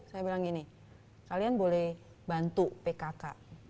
saya bilang gini kalian boleh bantu pkk